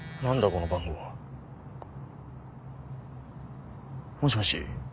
この番号は。もしもし。